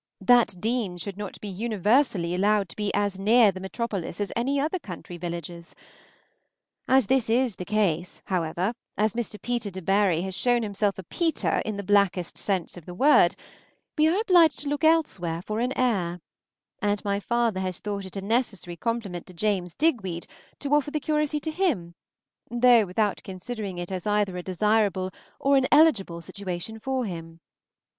that Deane should not be universally allowed to be as near the metropolis as any other country villages. As this is the case, however, as Mr. Peter Debary has shown himself a Peter in the blackest sense of the word, we are obliged to look elsewhere for an heir; and my father has thought it a necessary compliment to James Digweed to offer the curacy to him, though without considering it as either a desirable or an eligible situation for him.